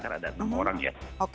karena ada enam orang ya